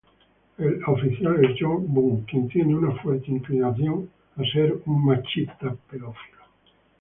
El oficial es Jong Bum, quien tiene una fuerte inclinación por las mujeres hermosas.